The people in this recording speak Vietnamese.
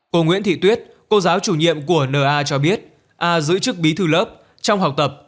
cô nguyễn thị tuyết cô giáo chủ nhiệm của na cho biết a giữ chức bí thư lớp trong học tập